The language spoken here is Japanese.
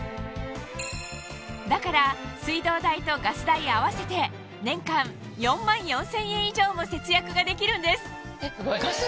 だから水道代とガス代合わせて年間４万４０００円以上も節約ができるんです